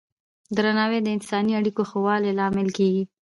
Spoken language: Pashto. درناوی د انساني اړیکو ښه والي لامل کېږي.